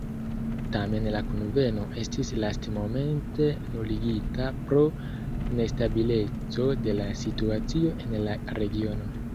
Tamen la kunveno estis lastmomente nuligita pro nestabileco de la situacio en la regiono.